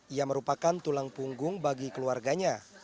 ia merupakan tulang punggung bagi keluarganya